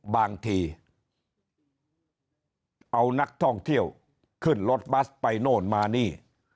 บางทีเอานักท่องเที่ยวขึ้นรถบัสไปโน่นมานี่